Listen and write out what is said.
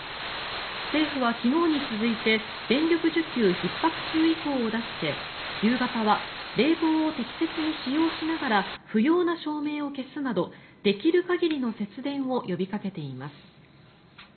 政府は昨日に続いて電力需給ひっ迫注意報を出して夕方は冷房を適切に使用しながら不要な照明を消すなどできる限りの節電を呼びかけています。